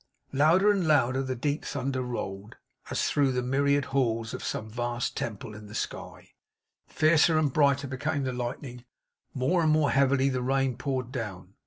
Louder and louder the deep thunder rolled, as through the myriad halls of some vast temple in the sky; fiercer and brighter became the lightning, more and more heavily the rain poured down.